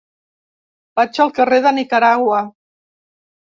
Vaig al carrer de Nicaragua.